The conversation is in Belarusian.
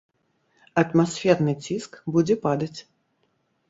Атмасферны ціск будзе падаць.